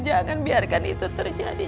jangan biarkan itu terjadi